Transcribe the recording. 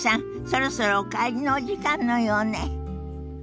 そろそろお帰りのお時間のようね。